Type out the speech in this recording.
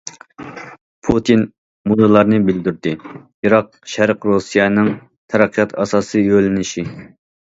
پۇتىن مۇنۇلارنى بىلدۈردى: يىراق شەرق رۇسىيەنىڭ تەرەققىيات ئاساسىي يۆنىلىشى.